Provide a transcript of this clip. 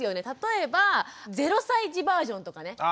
例えば０歳児バージョンとかね。